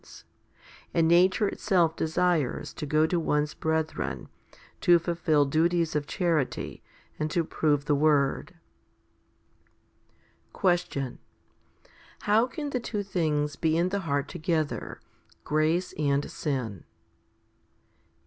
s6 4 FIFTY SPIRITUAL HOMILIES and nature itself desires to go to one's brethren to fulfil duties of charity, and to prove the word. 7. Question. How can the two things be in the heart together, grace and sin?